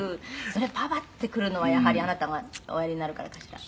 「それを“パパ”って来るのはやはりあなたがおやりになるからかしら？」